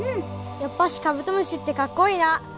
やっぱりカブトムシってかっこいいな。